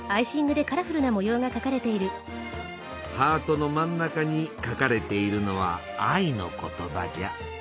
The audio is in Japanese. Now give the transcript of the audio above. ハートの真ん中に書かれているのは愛の言葉じゃ。